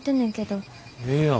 ええやん。